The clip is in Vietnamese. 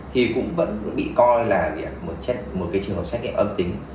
thì cũng vẫn bị coi là một cái trường hợp xét nghiệm âm tính